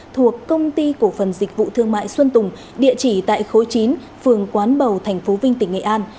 thuộc công ty cổ phần dịch vụ thương mại xuân tùng địa chỉ tại khối chín phường quán bầu tp vinh tỉnh nghệ an